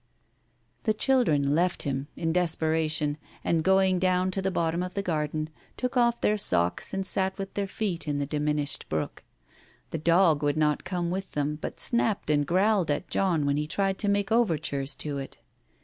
'" The children left him, in desperation, and, going down to the bottom of the garden, took off their socks and sat with their feet in the diminished brook. The dog would not come with them, but snapped and growled at John when he tried to make overtures to it.